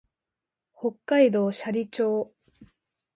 北海道斜里町